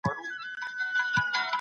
موږ به هيڅکله خپلي هڅي ونه دروو.